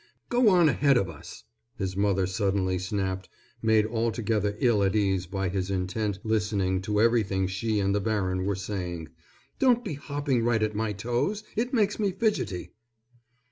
"Go on ahead of us," his mother suddenly snapped, made altogether ill at ease by his intent listening to everything she and the baron were saying. "Don't be hopping right at my toes. It makes me fidgety."